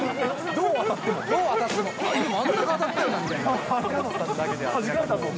どう当たっても。